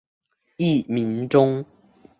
艺名中。